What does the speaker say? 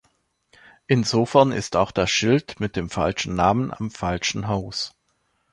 Insofern ist auch das Schild mit dem falschen Namen am falschen Haus.